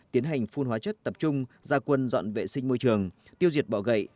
tiến hành phun hóa chất tập trung gia quân dọn vệ sinh môi trường tiêu diệt bỏ gậy